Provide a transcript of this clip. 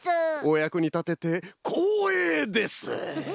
おやくにたててこうえいです！